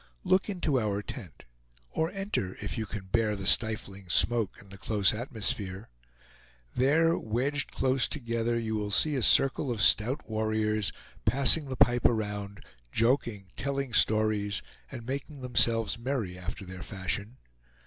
Look into our tent, or enter, if you can bear the stifling smoke and the close atmosphere. There, wedged close together, you will see a circle of stout warriors, passing the pipe around, joking, telling stories, and making themselves merry, after their fashion.